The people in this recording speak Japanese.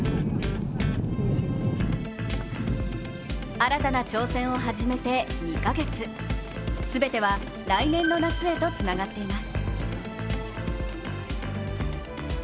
新たな挑戦を始めて２か月全ては来年の夏へとつながっています。